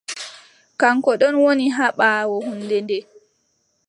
Kaŋko ɗon woni haa ɓaawo hunnde nde.